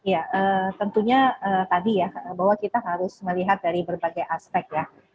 ya tentunya tadi ya bahwa kita harus melihat dari berbagai aspek ya